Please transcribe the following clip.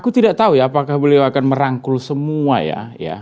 aku tidak tahu ya apakah beliau akan merangkul semua ya